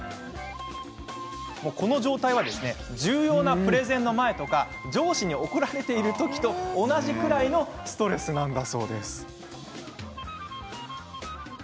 この状態重要なプレゼンの前とか上司に怒られている時と同じくらいのストレスなんだそうです。